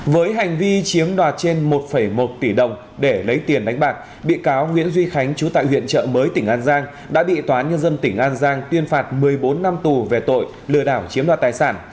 với hành vi chiếm đoạt trên một một tỷ đồng để lấy tiền đánh bạc bị cáo nguyễn duy khánh chú tại huyện chợ mới tỉnh an giang đã bị tòa án nhân dân tỉnh an giang tuyên phạt một mươi bốn năm tù về tội lừa đảo chiếm đoạt tài sản